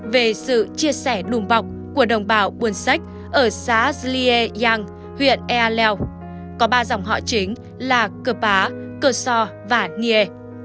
về sự chia sẻ đùm vọc của đồng bào buôn sách ở xá zlie yang huyện ea lèo có ba dòng họ chính là cơ pá cơ so và nghệ